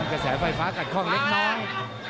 กระแสไฟฟ้ากัดคล่องเล็กน้อย